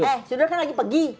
eh saudara kan lagi pergi